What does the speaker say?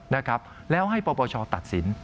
นะครับแล้วให้ปปชตัดสิน